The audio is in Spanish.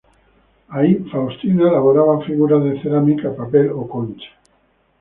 Ahí, Faustina elaboraba figuras de cerámica, papel o concha.